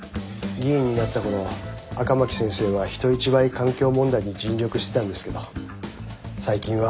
議員になったころ赤巻先生は人一倍環境問題に尽力してたんですけど最近は。